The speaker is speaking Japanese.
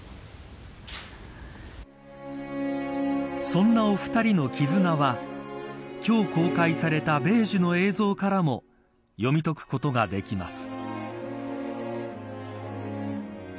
そんなお二人の絆は今日公開された米寿の映像からも読み解くことができます。